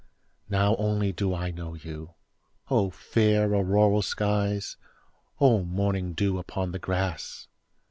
Now only do I know you!O fair auroral skies! O morning dew upon the grass!